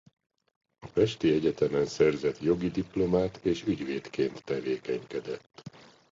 A pesti egyetemen szerzett jogi diplomát és ügyvédként tevékenykedett.